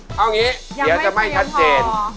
เอางี้เดี๋ยวจะไม่ชัดเจน